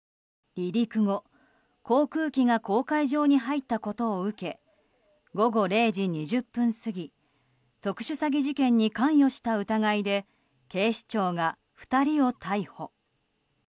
離陸後、航空機が公海上に入ったことを受け午後０時２０分過ぎ特殊詐欺事件に関与した疑いで警視庁が２人を逮捕。